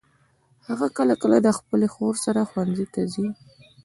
هغه کله کله د خپلي خور سره ښوونځي ته ځي.